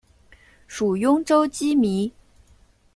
属邕州羁縻。